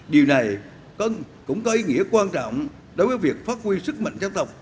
điều này cũng có ý nghĩa quan trọng đối với việc phát huy sức mạnh dân tộc